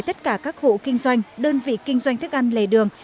tất cả các hộ kinh doanh đơn vị kinh doanh thức ăn lề đường